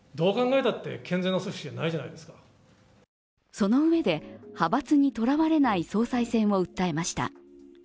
そのうえで派閥にとらわれない総裁選を訴えました。